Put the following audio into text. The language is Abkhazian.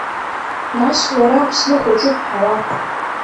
Нас уара Аԥсны хәыҷуп ҳәала…